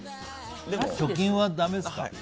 貯金はだめですか。